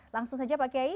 langsung saja pak kiai